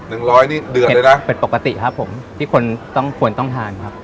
ร้อยนี่เดือนเลยนะเป็นปกติครับผมที่คนต้องควรต้องทานครับ